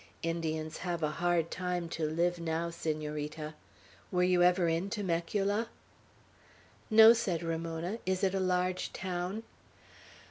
Indians have a hard time to live now, Senorita. Were you ever in Temecula?" "No," said Ramona. "Is it a large town?"